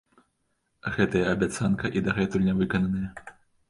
Гэтая абяцанка і дагэтуль нявыкананая.